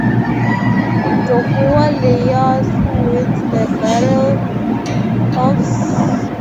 Tokugawa Ieyasu wins at the Battle of Sekigahara and Uesugi Retreat.